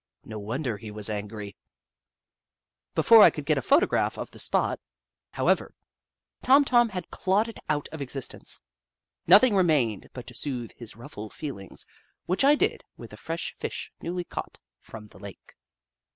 No wonder he was angry ! Before I could get a photograph of the spot. 8 The Book of Clever Beasts however, 7"om Tom had clawed it out of ex istence. Nothing remained but to soothe his ruffled feelings, which I did with a fresh Fish newly caught from the lake.